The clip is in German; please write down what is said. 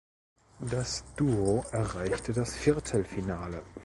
Das Duo erreichte das Viertelfinale.